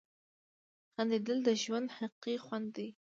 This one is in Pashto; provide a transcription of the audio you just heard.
• خندېدل د ژوند حقیقي خوند دی.